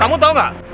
kamu tahu nggak